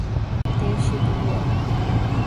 Değişebiliyor